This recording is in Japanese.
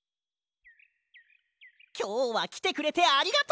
きょうはきてくれてありがとう！